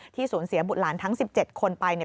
ที่สูญเสียบุตรหลานทั้ง๑๗คนไป